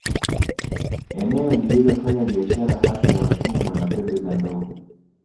Eneo lililofanya biashara hasa ya watumwa na pembe za Ndovu